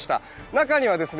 中にはですね